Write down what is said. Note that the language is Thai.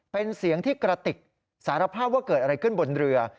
เป็นเสียงที่กระติกสารภาพว่าเกิดอะไรขึ้นบนเรือ